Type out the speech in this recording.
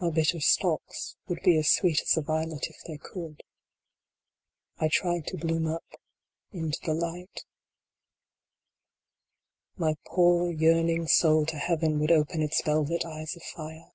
My bitter stalks would be as sweet as the violet if they could. I try to bloom up into the light IN VAIN. 33 My poor, yearning soul to Heaven would open its velvet eyes of fire.